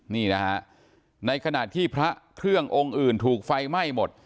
นี่นะฮะในขณะที่พระเครื่ององค์อื่นถูกไฟไหม้หมด